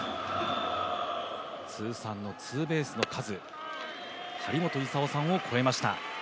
通算のツーベスの数、張本勲さんを超えました。